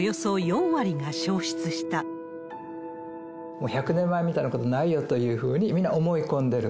もう１００年前みたいなことはないよというふうに、みんな思い込んでいる。